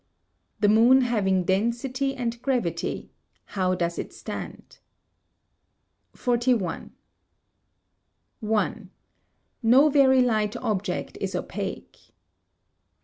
The moon having density and gravity, how does it stand? 41. i. No very light object is opaque.